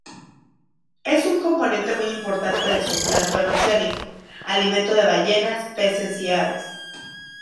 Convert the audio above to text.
Es un componente muy importante del zooplancton oceánico, alimento de ballenas, peces y aves.